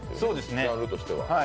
ジャンルとしては。